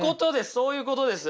そういうことです。